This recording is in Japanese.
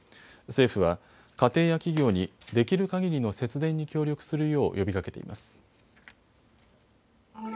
政府は、家庭や企業にできるかぎりの節電に協力するよう呼びかけています。